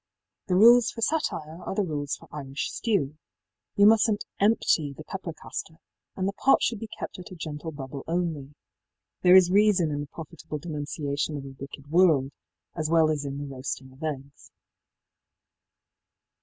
The rules for satire are the rules for Irish stew. You mustnít empty the pepper castor, and the pot should be kept at a gentle bubble only. There is reason in the profitable denunciation of a wicked world, as well as in the roasting of eggs.